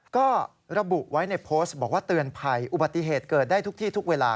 ก็ระบุไว้ในโพสต์บอกว่าเตือนภัยอุบัติเหตุเกิดได้ทุกที่ทุกเวลา